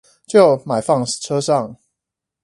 就買放車上了